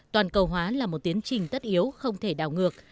toàn cầu hóa là một tiến trình tất yếu không thể đảo ngược